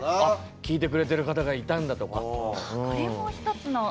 聴いてくれてる方がいたんだとか。